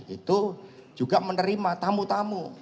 itu juga menerima tamu tamu